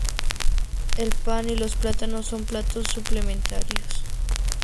El pan y los plátanos son platos suplementarios.